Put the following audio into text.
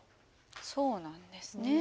そうなんですねえ。